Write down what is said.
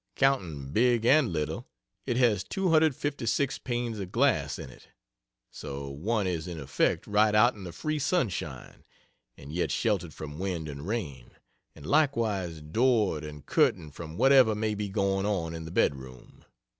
Counting big and little, it has 256 panes of glass in it; so one is in effect right out in the free sunshine, and yet sheltered from wind and rain and likewise doored and curtained from whatever may be going on in the bedroom.